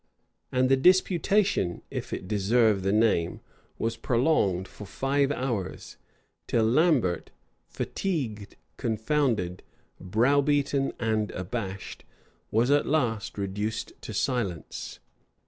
And the disputation, if it deserve the name, was prolonged for five hours; till Lambert, fatigued, confounded, browbeaten, and abashed, was at last reduced to silence.